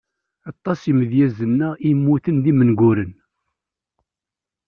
Aṭas imedyazen-nneɣ i immuten d imenguren.